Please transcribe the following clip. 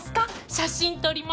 写真撮りました。